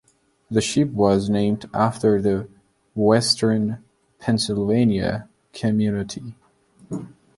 The ship was named after the Western Pennsylvania community.